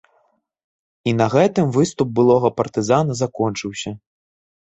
І на гэтым выступ былога партызана закончыўся.